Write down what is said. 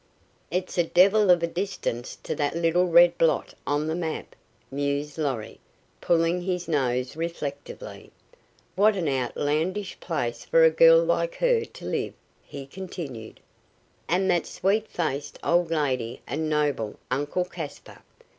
"It's a devil of a distance to that little red blot on the map," mused Lorry, pulling his nose reflectively. "What an outlandish place for a girl like her to live in," he continued. "And that sweet faced old lady and noble Uncle Caspar!